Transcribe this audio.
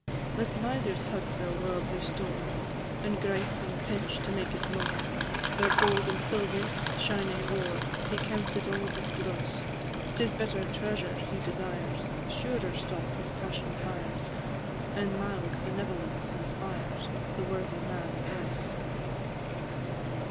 III. Let misers hug their worldly store, And gripe and pinch to make it more; Their gold and silver's shining ore He counts it all but dross: 'Tis better treasure he desires; A surer stock his passion fires, And mild benevolence inspires The worthy Man of Ross.